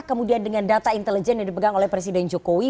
kemudian dengan data intelijen yang dipegang oleh presiden jokowi